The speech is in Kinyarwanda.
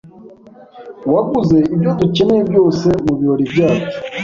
Waguze ibyo dukeneye byose mubirori byacu?